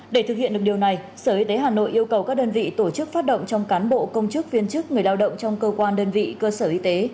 để thực hiện được điều này sở y tế hà nội yêu cầu các đơn vị tổ chức phát động trong cán bộ công chức viên chức người lao động trong cơ quan đơn vị cơ sở y tế